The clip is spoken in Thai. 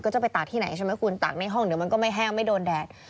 ก็จะไปตากที่ไหนใช่ไหมคุณตากในห้องเดี๋ยวมันก็ไม่แห้งไม่โดนแดด